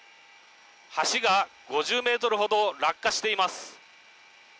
橋が５０ｍほど落下しています。